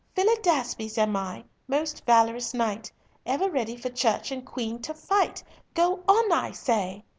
"Philidaspes am I, most valorous knight, Ever ready for Church and Queen to fight. "Go on, I say!"